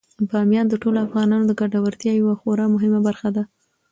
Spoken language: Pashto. بامیان د ټولو افغانانو د ګټورتیا یوه خورا مهمه برخه ده.